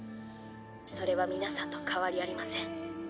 それは皆さんと変わりありません。